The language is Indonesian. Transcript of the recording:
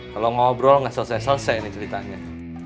kalau ngobrol nggak selesai selesai nih ceritanya